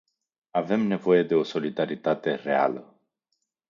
Avem nevoie de o solidaritate reală...